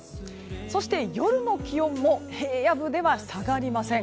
そして、夜の気温も平野部では下がりません。